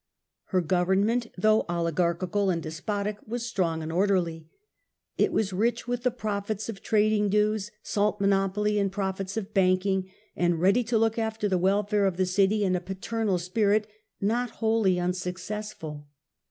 Her government, though oligarchical and despotic, was strong and orderly. It was rich with the profits of trading dues, salt monopoly and profits of banking, and ready to look after the welfare of the city in a paternal spirit not wholly unsuccessful.